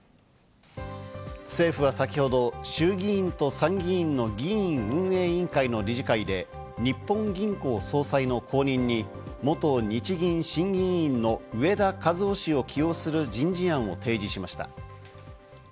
政府は先ほど衆議院と参議院の議員運営委員会の理事会で、日本銀行総裁の後任に、元日銀審議委員の植田和男氏を起用する人事案を提示しました。